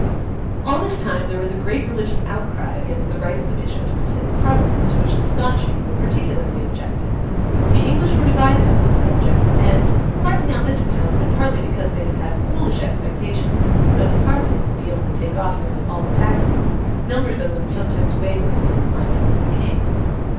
All this time there was a great religious outcry against the right of the Bishops to sit in Parliament; to which the Scottish people particularly objected. The English were divided on this subject, and, partly on this account and partly because they had had foolish expectations that the Parliament would be able to take off nearly all the taxes, numbers of them sometimes wavered and inclined towards the King.